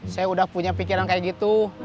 saya udah punya pikiran kayak gitu